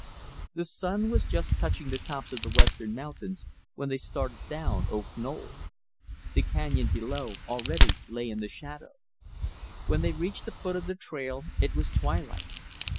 The sun was just touching the tops of the western mountains when they started down Oak Knoll. The canyon below, already, lay in the shadow. When they reached the foot of the trail, it was twilight.